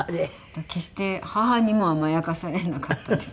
決して母にも甘やかされなかったです。